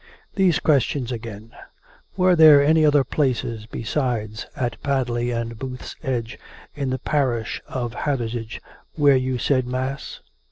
" These questions again, ... Were there any other places besides at Padley and Booth's Edge, in the parish of Hathersage, where you said mass